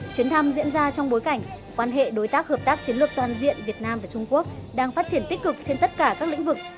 chuyến thăm diễn ra trong bối cảnh quan hệ đối tác hợp tác chiến lược toàn diện việt nam và trung quốc đang phát triển tích cực trên tất cả các lĩnh vực